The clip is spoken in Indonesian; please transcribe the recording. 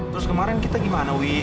terus kemarin kita gimana wi